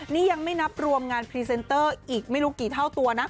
นี่ยังไม่นับรวมงานพรีเซนเตอร์อีกไม่รู้กี่เท่าตัวนะ